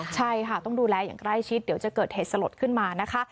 ใช่ค่ะต้องดูแลอย่างใกล้ชิดเดี๋ยวจะเกิดเหตุสลดขึ้นมานะคะ